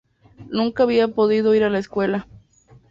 Nunca había podido ir a la escuela.